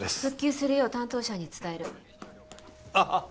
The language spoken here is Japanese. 復旧するよう担当者に伝えるあっ